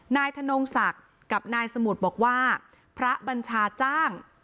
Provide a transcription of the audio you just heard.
นายธนงศักดิ์กับนายสมุทรบอกว่าพระบัญชาจ้าง